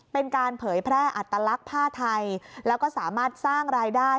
เป็นการเผยแพร่อัตลักษณ์ผ้าไทยแล้วก็สามารถสร้างรายได้